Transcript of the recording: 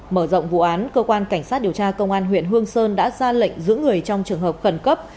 mở rộng vụ án cơ quan cảnh sát điều tra công an huyện hương sơn đã ra lệnh giữ người trong trường hợp khẩn cấp